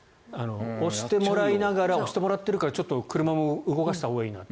押してもらいながら押してもらっているからちょっと車も動かしたほうがいいなと。